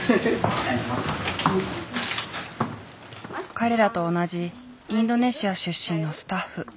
彼らと同じインドネシア出身のスタッフ。